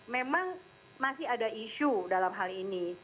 memang masih ada isu dalam hal ini